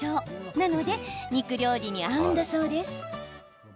なので肉料理に合うんだそうです。